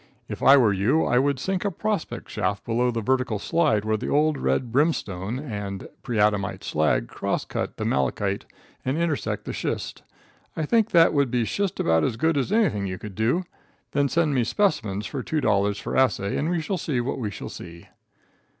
If I were you I would sink a prospect shaft below the vertical slide where the old red brimstone and preadamite slag cross cut the malachite and intersect the schist. I think that would be schist about as good as anything you could do. Then send me specimens with $2 for assay and we shall see what we shall see.